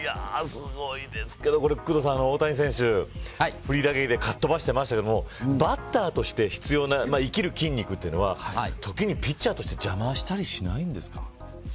すごいですけど、工藤さん大谷選手、フリー打撃でかっ飛ばしてましたがバッターとして生きる筋肉というのは時にピッチャーとして邪魔したりしないんですか。